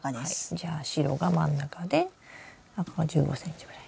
じゃあ白が真ん中であとは１５ｃｍぐらい。